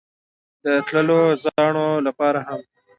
او د تللو زاڼو لپاره هم